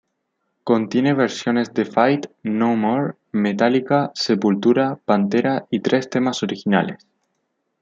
Contiene versiones de Faith No More, Metallica, Sepultura, Pantera y tres temas originales.